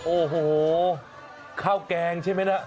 โอ้โหข้าวแกงใช่ไหมล่ะ